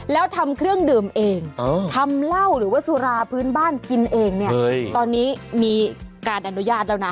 แล้วทำเครื่องดื่มเองทำเหล้าหรือว่าสุราพื้นบ้านกินเองเนี่ยตอนนี้มีการอนุญาตแล้วนะ